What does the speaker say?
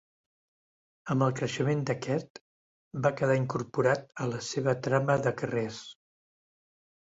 Amb el creixement d'aquest, va quedar incorporat a la seva trama de carrers.